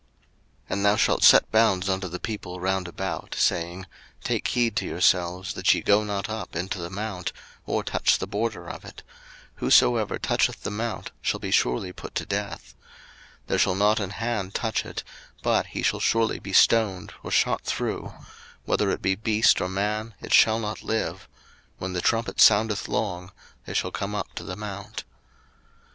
02:019:012 And thou shalt set bounds unto the people round about, saying, Take heed to yourselves, that ye go not up into the mount, or touch the border of it: whosoever toucheth the mount shall be surely put to death: 02:019:013 There shall not an hand touch it, but he shall surely be stoned, or shot through; whether it be beast or man, it shall not live: when the trumpet soundeth long, they shall come up to the mount.